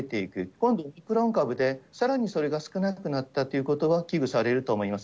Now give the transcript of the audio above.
今度オミクロン株でさらにそれが少なくなったということは危惧されると思います。